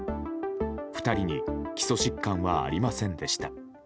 ２人に基礎疾患はありませんでした。